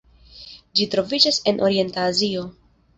Ĝi troviĝas en Orienta Azio.